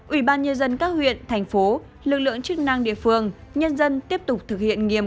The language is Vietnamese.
ubnd các huyện thành phố lực lượng chức năng địa phương nhân dân tiếp tục thực hiện nghiêm